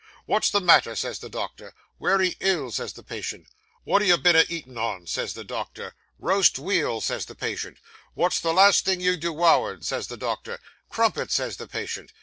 "Wot's the matter?" says the doctor. "Wery ill," says the patient. "Wot have you been a eatin' on?" says the doctor. "Roast weal," says the patient. "Wot's the last thing you dewoured?" says the doctor. "Crumpets," says the patient.